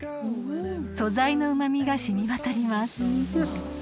［素材のうま味が染みわたります］